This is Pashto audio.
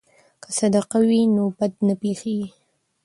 که صدقه وي نو بد نه پیښیږي.